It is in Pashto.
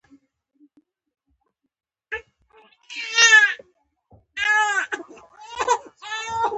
ويې ويل چې اوس کمزوري يو.